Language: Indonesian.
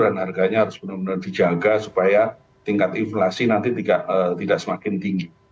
dan harganya harus benar benar dijaga supaya tingkat inflasi nanti tidak semakin tinggi